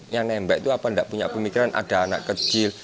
yang nembek itu apa tidak punya pemikiran ada anak kecil